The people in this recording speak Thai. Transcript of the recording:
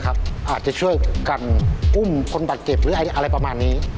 อาจจะช่วยกันอุ้มคนบาดเจ็บหรืออะไรประมาณนี้